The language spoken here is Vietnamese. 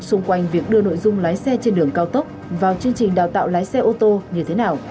xung quanh việc đưa nội dung lái xe trên đường cao tốc vào chương trình đào tạo lái xe ô tô như thế nào